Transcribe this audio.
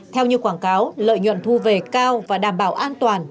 theo như quảng cáo lợi nhuận thu về cao và đảm bảo an toàn